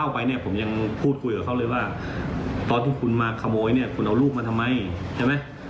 อ่าเราก็พูดคุยกับเขาตอนตอนที่อยู่ในบ้านนะฮะ